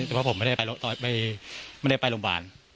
เพราะผมไม่ได้ไปโรงพยาบาล